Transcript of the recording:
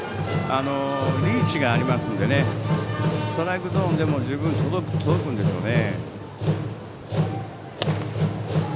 リーチがありますのでストライクゾーンでも十分届くんでしょうね。